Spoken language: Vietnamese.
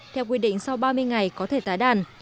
theo quy định sau ba mươi ngày có thể tái đàn